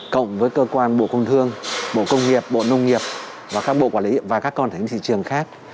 cộng với cơ quan bộ công thương bộ công nghiệp bộ nông nghiệp và các bộ quản lý và các con thấy thị trường khác